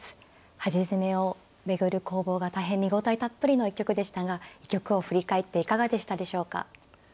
端攻めを巡る攻防が大変見応えたっぷりの一局でしたが一局を振り返っていかがでしたでしょうか。